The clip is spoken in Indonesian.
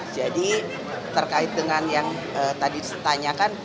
jadi terkait dengan yang tadi ditanyakan